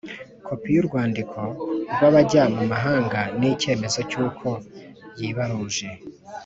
kopi y’urwandiko rw’abajya mu mahanga n’icyemezo cy’uko yibaruje